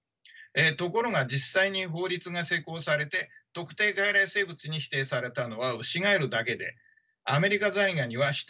ところが実際に法律が施行されて特定外来生物に指定されたのはウシガエルだけでアメリカザリガニは指定を免れました。